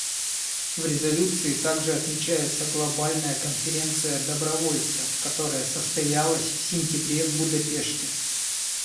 В резолюции также отмечается Глобальная конференция добровольцев, которая состоялась в сентябре в Будапеште.